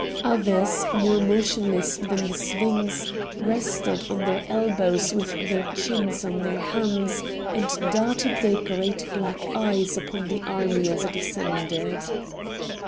Others, more motionless than the Sphynx, rested on their elbows with their chins on their hands, and darted their great black eyes upon the army as it ascended.